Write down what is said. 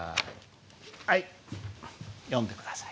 はい読んで下さい。